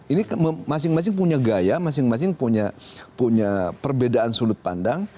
ini masing masing punya gaya masing masing punya perbedaan sudut pandang